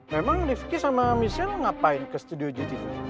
memang rifki sama michelle ngapain ke studio gdp